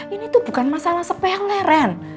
ini tuh bukan masalah sepele ren